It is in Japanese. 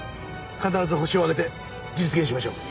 必ずホシを挙げて実現しましょう。